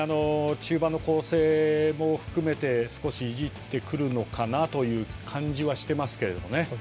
中盤の構成も含めて少しいじってくるのかなという感じはしますね。